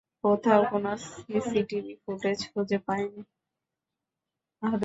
কোথাও কোন CCTV footage খুঁজে পাইনি।